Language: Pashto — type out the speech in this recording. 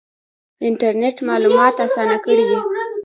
انټرنیټ معلومات اسانه کړي دي